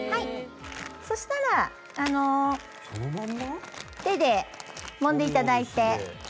そしたら手でもんでいただいて。